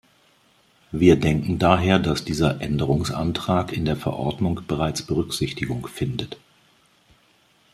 Wir denken daher, dass dieser Änderungsantrag in der Verordnung bereits Berücksichtigung findet.